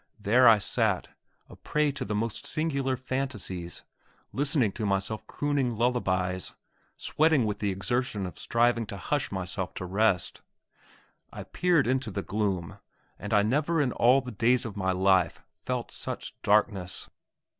There I sat, a prey to the most singular fantasies, listening to myself crooning lullabies, sweating with the exertion of striving to hush myself to rest. I peered into the gloom, and I never in all the days of my life felt such darkness.